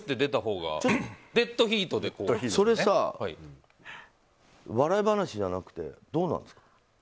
それさ、笑い話じゃなくてどうなんですか？